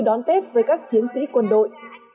đón tết với các chiến sĩ quân đội